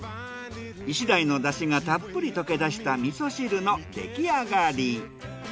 イシダイの出汁がたっぷり溶け出した味噌汁のできあがり。